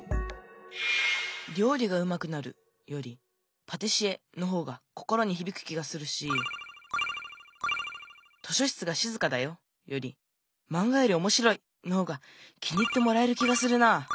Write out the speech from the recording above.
「りょうりが上手くなる」より「パティシエ」の方が心にひびく気がするし「図書室がしずかだよ」より「マンガよりおもしろい」の方が気に入ってもらえる気がするな。